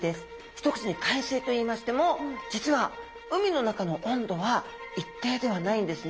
一口に海水といいましても実は海の中の温度は一定ではないんですね。